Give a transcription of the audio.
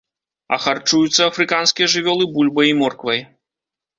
А харчуюцца афрыканскія жывёлы бульбай і морквай.